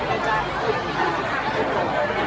การรับความรักมันเป็นอย่างไร